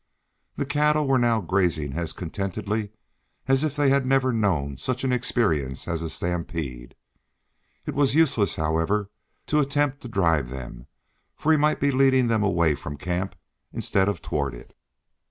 The cattle were now grazing as contentedly as if they never had known such an experience as a stampede. It was useless, however, to attempt to drive them, for he might be leading them away from camp instead of toward it.